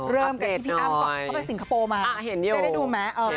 เริ่มกันที่พี่อ้ำก่อนเขาไปสิงคโปร์มาจะได้ดูไหม